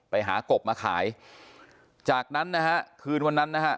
หากบมาขายจากนั้นนะฮะคืนวันนั้นนะฮะ